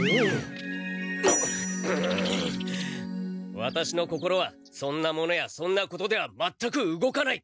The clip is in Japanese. ワタシの心はそんなものやそんなことでは全く動かない。